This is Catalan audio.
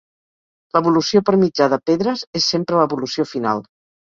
L'evolució per mitjà de Pedres és sempre l'evolució final.